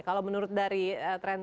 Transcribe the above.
kalau menurut dari trend trendnya